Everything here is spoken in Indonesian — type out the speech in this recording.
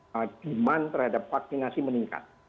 hakiman terhadap vaksinasi meningkat